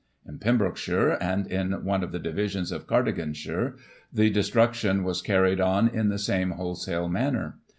In Pembrokeshire, and in one of the divisions of Cardiganshire, the destruction was carried on in the same wholesale manner.